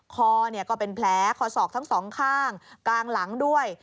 คอก็เป็นแผลคอศอกทั้งสองข้างกลางหลังด้วย